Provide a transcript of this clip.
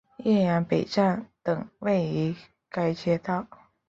岳阳北站等位于该街道。